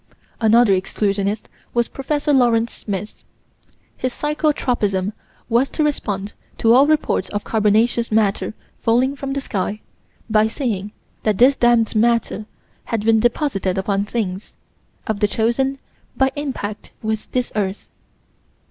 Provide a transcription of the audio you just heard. Another exclusionist was Prof. Lawrence Smith. His psycho tropism was to respond to all reports of carbonaceous matter falling from the sky, by saying that this damned matter had been deposited upon things of the chosen by impact with this earth.